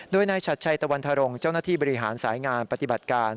โดยนายชัดชัยตะวันธรงค์เจ้าหน้าที่บริหารสายงานปฏิบัติการ